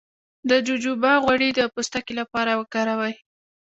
د جوجوبا غوړي د پوستکي لپاره وکاروئ